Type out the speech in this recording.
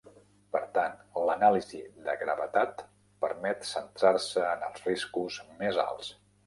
Per tant, l'anàlisi de gravetat permet centrar-se en els riscos més alts.